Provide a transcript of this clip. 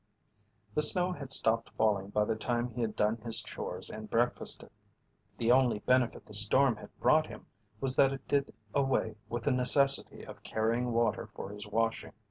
The snow had stopped falling by the time he had done his chores and breakfasted. The only benefit the storm had brought him was that it did away with the necessity of carrying water for his washing.